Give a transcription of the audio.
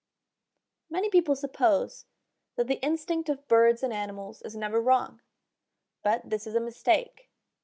Many people suppose that the instinct of birds and animals is never wrong, but this is a mistake.